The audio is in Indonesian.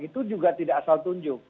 itu juga tidak asal tunjuk